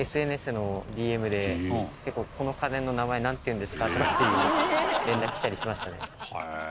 宗久君：ＳＮＳのＤＭで「この家電の名前なんていうんですか？」とかっていう連絡来たりしましたね。